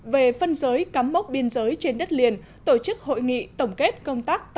về phân giới cắm mốc biên giới trên đất liền tổ chức hội nghị tổng kết công tác